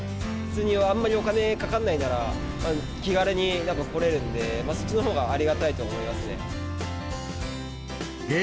あんまりお金かかんないなら、気軽に来れるんで、そっちのほうがありがたいと思いますね。